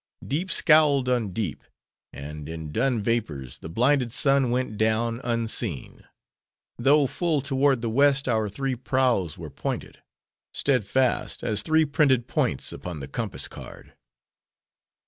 Deep scowled on deep; and in dun vapors, the blinded sun went down, unseen; though full toward the West our three prows were pointed; steadfast as three printed points upon the compass card.